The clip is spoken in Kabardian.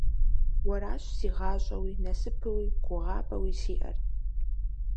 Уэращ сэ гъащӀэуи, насыпуи, гугъапӀэуи сиӀэр.